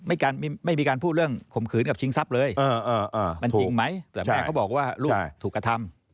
มันจริงไหมแต่แม่เขาบอกว่าลูกถูกกระทำ